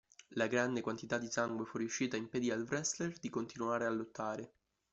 La grande quantità di sangue fuoriuscita impedì al wrestler di continuare a lottare.